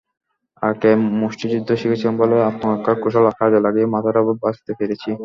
আগে মুষ্টিযুদ্ধ শিখেছিলাম বলে আত্মরক্ষার কৌশল কাজে লাগিয়ে মাথাটা বাঁচাতে পেরেছি।